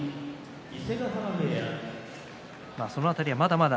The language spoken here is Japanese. その辺りは、まだまだ。